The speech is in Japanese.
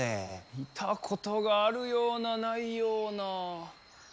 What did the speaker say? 見たことがあるようなないような。